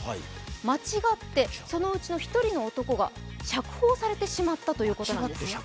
間違ってそのうちの１人の男が釈放されてしまったということです。